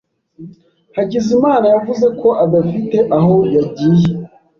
Hakizimana yavuze ko adafite aho yagiye.